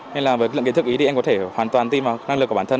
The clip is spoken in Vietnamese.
nên là với lượng kiến thức ý thì em có thể hoàn toàn tin vào năng lực của bản thân